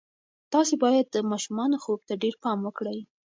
تاسې باید د ماشومانو خوب ته ډېر پام وکړئ.